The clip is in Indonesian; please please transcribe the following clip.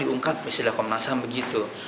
diungkap istilah komnas ham begitu